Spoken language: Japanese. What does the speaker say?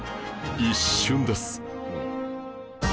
一瞬です